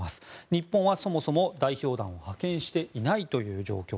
日本は、そもそも代表団を派遣していないという状況。